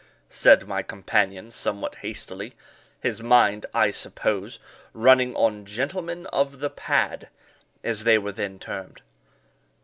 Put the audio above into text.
said my companion somewhat hastily his mind, I suppose, running on gentlemen of the pad, as they were then termed.